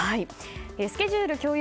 スケジュール共有